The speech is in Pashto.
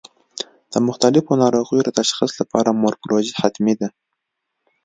د مختلفو ناروغیو د تشخیص لپاره مورفولوژي حتمي ده.